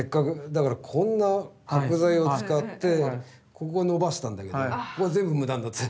だからこんな角材を使ってここを伸ばしたんだけどここは全部無駄になって。